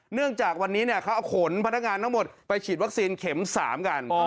เนื่องจากวันนี้เขาเอาขนพนักงานทั้งหมดไปฉีดวัคซีนเข็ม๓กัน